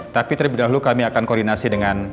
tapi terlebih dahulu kami akan koordinasi dengan